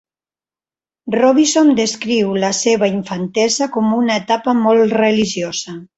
Robinson descriu la seva infantesa com una etapa molt religiosa.